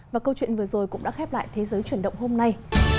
và câu chuyện vừa rồi cũng đã khép lại thế giới chuyển động hôm nay